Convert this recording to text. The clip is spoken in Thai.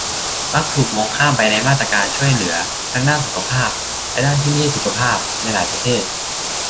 มักถูกมองข้ามไปในมาตรการช่วยเหลือ ทั้งด้านสุขภาพ และด้านที่ไม่ใช่สุขภาพ ในหลายประเทศ